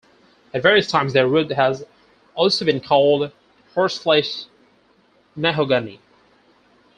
At various times their wood has also been called 'horseflesh mahogany'.